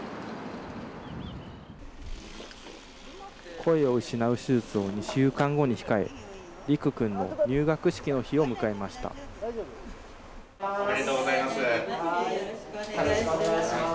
声を失う手術を２週間後に控え、利久君の入学式の日を迎えまおめでとうございます。